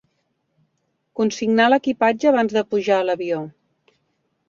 Consignar l'equipatge abans de pujar a l'avió.